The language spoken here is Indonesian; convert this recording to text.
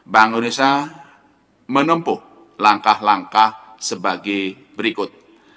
bank indonesia menempuh langkah langkah sebagai berikut